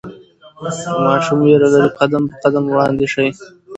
که ماشوم ویره لري، قدم په قدم وړاندې شئ.